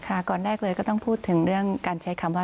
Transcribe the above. ก่อนแรกเลยก็ต้องพูดถึงเรื่องการใช้คำว่า